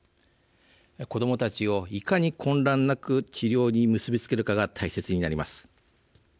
子どもたちを、いかに混乱なく治療に結び付けるかが大切になります。